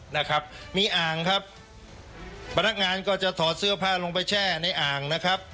นะครับมีอ่างครับพนักงานก็จะถอดเสื้อผ้าลงไปแช่ในอ่างนะครับ